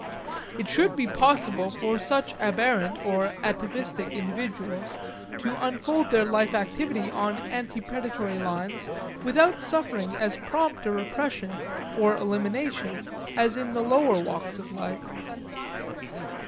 It should be possible for such aberrant or atavistic individuals to unfold their life activity on ante predatory lines without suffering as prompt a repression or elimination as in the lower walks of life.